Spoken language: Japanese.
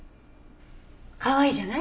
かわいいじゃない。